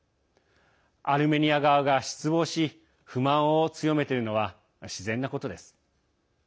アルメニア側が失望し不満を強めているのは自然なことです。